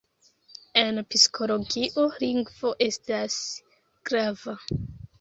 En psikologio lingvo estas grava.